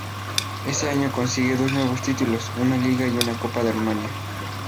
Ese año consigue dos nuevos títulos, una Liga y una Copa de Rumania.